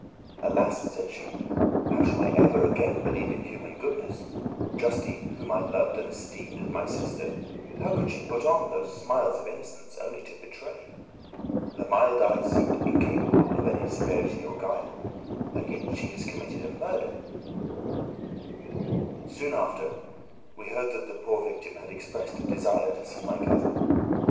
"Alas!" said she. "How shall I ever again believe in human goodness? Justine, whom I loved and esteemed as my sister, how could she put on those smiles of innocence only to betray? Her mild eyes seemed incapable of any severity or guile, and yet she has committed a murder." Soon after we heard that the poor victim had expressed a desire to see my cousin.